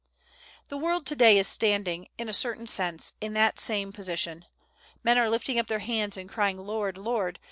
The world to day is standing, in a certain sense, in that same position. Men are lifting up their hands, and crying, "Lord, Lord!"